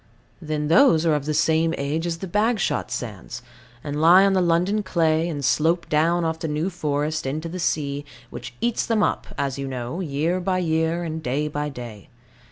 Then those are of the same age as the Bagshot sands, and lie on the London clay, and slope down off the New Forest into the sea, which eats them up, as you know, year by year and day by day.